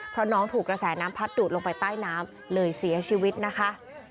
เพราะน้องถูกกระแสน้ำพัดดูดลงไปใต้น้ำเลยเสียชีวิตนะคะ